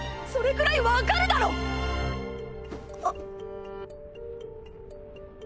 それくらいわかるだろ⁉あっ。